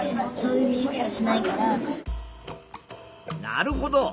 なるほど。